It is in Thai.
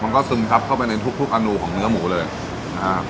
มันก็ซึมทับเข้าไปในทุกอนุของเนื้อหมูเลยนะฮะ